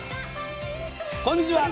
こんにちは。